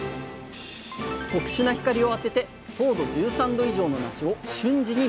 特殊な光を当てて糖度１３度以上のなしを瞬時に見極めます。